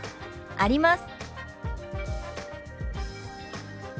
「あります」。